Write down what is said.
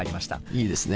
いいですね。